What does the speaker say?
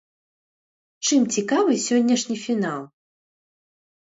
Чым цікавы сённяшні фінал?